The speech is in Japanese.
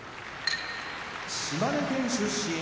島根県出身